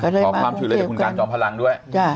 ขอความชือหลายหัวคุณการจอมพลังด้วย